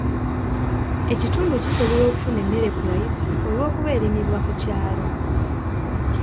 Ekitundu kisobola okufuna emmere ku layisi olw'okuba erimibwa ku kyalo.